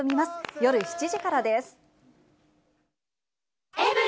夜７時からです。